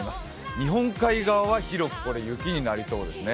日本海側は広く雪になりそうですよね。